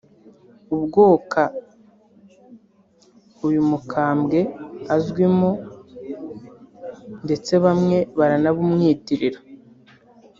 ubwoka uyu mukambwe azwimo ndetse bamwe baranabumwitirira